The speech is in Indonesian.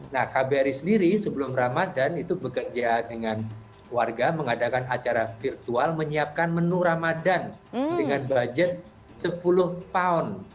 nah kbri sendiri sebelum ramadan itu bekerja dengan warga mengadakan acara virtual menyiapkan menu ramadan dengan budget sepuluh pound